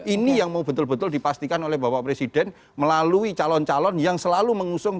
ini yang mau betul betul dipastikan oleh bapak presiden melalui calon calon yang selalu mengusung